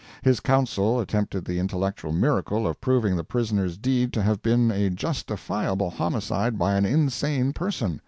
His counsel attempted the intellectual miracle of proving the prisoner's deed to have been a justifiable homicide by an insane person.